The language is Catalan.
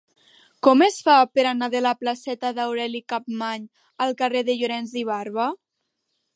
Com es fa per anar de la placeta d'Aureli Capmany al carrer de Llorens i Barba?